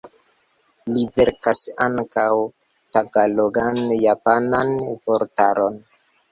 Li verkas ankaŭ tagalogan-japanan vortaron.